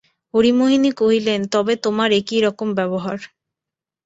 হরিমোহিনী কহিলেন, তবে তোমার এ কী রকম ব্যবহার?